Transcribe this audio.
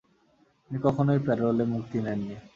তিনি কখনোই প্যারোলে মুক্তি নেননি।